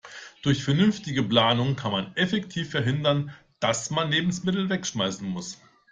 Durch vernünftige Planung kann man effektiv verhindern, dass man Lebensmittel wegschmeißen muss.